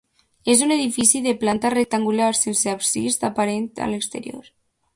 És un edifici de planta rectangular sense absis aparent a l’exterior.